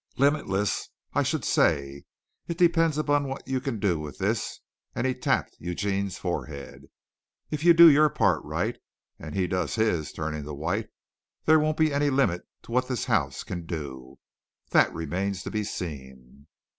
"Limitless I should say! It depends on what you can do with this," and he tapped Eugene's forehead. "If you do your part right, and he does his" turning to White "there won't be any limit to what this house can do. That remains to be seen."